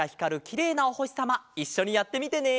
きれいなおほしさまいっしょにやってみてね！